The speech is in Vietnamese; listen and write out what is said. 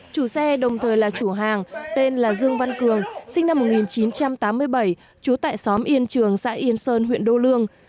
chủ xe đồng thời là chủ hàng tên là dương văn cường sinh năm một nghìn chín trăm tám mươi bảy trú tại xóm yên trường xã yên sơn huyện đô lương